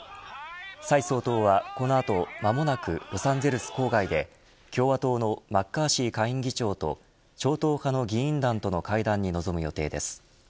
蔡総統は、この後、間もなくロサンゼルス郊外で共和党のマッカーシー下院議長と超党派の議員団との会談に臨む予定です。